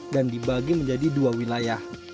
dan dibagi menjadi dua wilayah